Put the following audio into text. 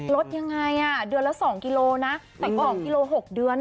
ลดยังไงเดือนละ๒กิโลนะแต่๒กิโล๖เดือน